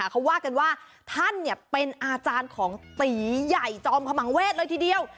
เขาว่ากันว่าท่านเป็นอาจารย์ของตีใหญ่จอมขมังเวศเลยทีเดียว